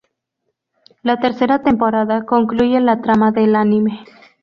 La tercera temporada concluye la trama del anime.